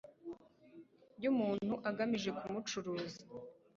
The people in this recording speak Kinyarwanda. by umuntu agamije kumucuruza